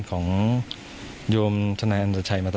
ก็ไม่ได้คิดอะไรมาก